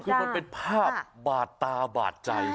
คือมันเป็นภาพบาดตาบาดใจ